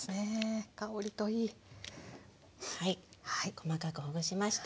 細かくほぐしました。